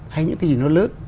hay những cái gì nó lớn